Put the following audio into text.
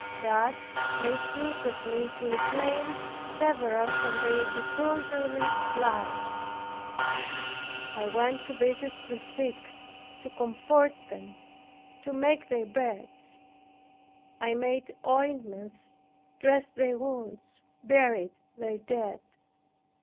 God made use of me to reclaim several from their disorderly lives. I went to visit the sick, to comfort them, to make their beds. I made ointments, dressed their wounds, buried their dead.